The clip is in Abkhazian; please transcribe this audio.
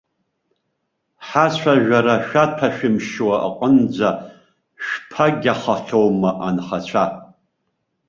Ҳацәажәара шәаҭәашәымшьо аҟынӡа шәԥагьахахьоума анхацәа?